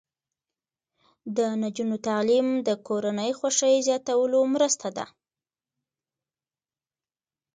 د نجونو تعلیم د کورنۍ خوښۍ زیاتولو مرسته ده.